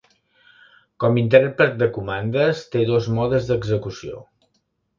Com intèrpret de comandes, té dos modes d'execució.